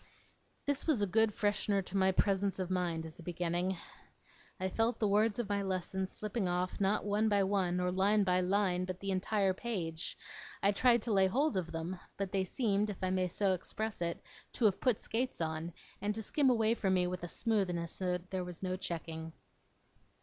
This was a good freshener to my presence of mind, as a beginning. I felt the words of my lessons slipping off, not one by one, or line by line, but by the entire page; I tried to lay hold of them; but they seemed, if I may so express it, to have put skates on, and to skim away from me with a smoothness there was no checking.